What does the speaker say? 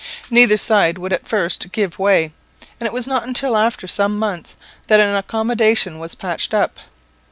Neither side would at first give way, and it was not until after some months that an accommodation was patched up.